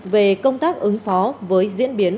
về công tác ứng phó với diễn biến